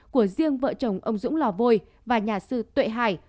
của riêng vợ chồng ông dũng lò vôi và nhà sư tuệ hải